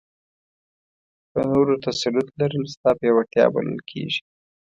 په نورو تسلط لرل ستا پیاوړتیا بلل کېږي.